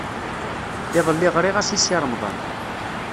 Iḍelli ɣriɣ-as i Si Remḍan.